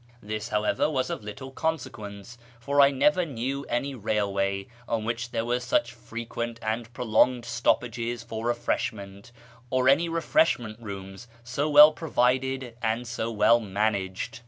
This, however, was of little consequence, for I never knew any railway on which there were such frequent and prolonged stoppages for refreshment, or any refreshment rooms so well provided and so well managed.